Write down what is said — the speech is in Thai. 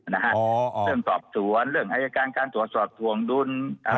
เรื่องสอบสวนเรื่องอายการการตรวจสอบถวงดุล